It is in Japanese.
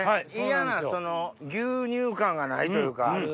嫌な牛乳感がないというか。